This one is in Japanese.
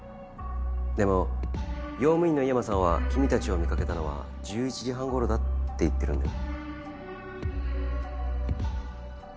でも用務員の井山さんは君たちを見掛けたのは１１時半頃だって言ってるんだよ。